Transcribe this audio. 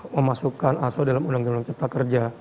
memasukkan aso dalam uu ck